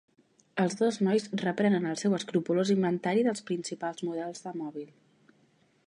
Els dos nois reprenen el seu escrupolós inventari dels principals models de mòbil.